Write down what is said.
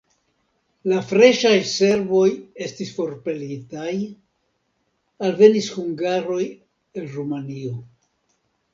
La freŝaj serboj estis forpelitaj, alvenis hungaroj el Rumanio.